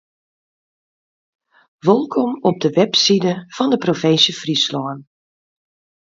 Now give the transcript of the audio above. Wolkom op de webside fan de provinsje Fryslân.